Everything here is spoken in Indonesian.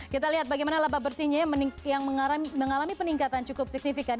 kita lihat bagaimana laba bersihnya yang mengalami peningkatan cukup signifikan